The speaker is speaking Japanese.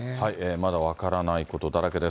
まだ分からないことだらけです。